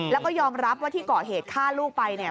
แล้วก็ยอมรับว่าที่ก่อเหตุฆ่าลูกไปเนี่ย